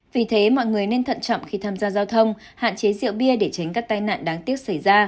vì thế mọi người nên thận trọng khi tham gia giao thông hạn chế rượu bia để tránh các tai nạn đáng tiếc xảy ra